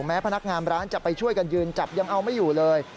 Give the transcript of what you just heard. พนักงานร้านจะไปช่วยกันยืนจับยังเอาไม่อยู่เลย